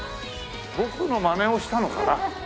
僕のマネをしたのかな？